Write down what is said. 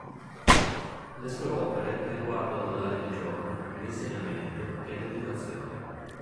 Le sue opere riguardano la religione, l'insegnamento e l'educazione.